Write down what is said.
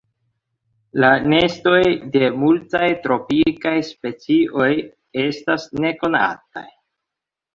La nestoj de multaj tropikaj specioj estas nekonataj.